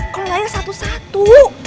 kalau gak ada satu satu